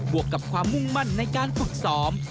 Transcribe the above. วกกับความมุ่งมั่นในการฝึกซ้อม